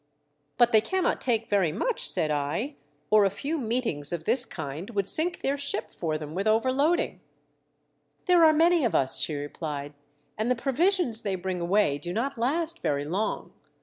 " But they cannot take ver\^ much," said I, "or a few meetings of this kind would sink their ship for them with overloading." " There are many of us," she replied, " and the provisions they bring away do not last very long.